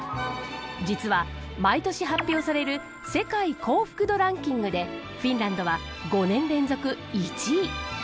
実は毎年発表される世界幸福度ランキングでフィンランドは５年連続１位。